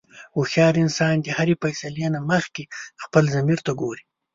هوښیار انسان د هرې فیصلې نه مخکې خپل ضمیر ته ګوري.